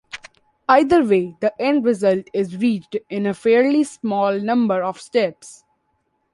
Either way, the end result is reached in a fairly small number of steps.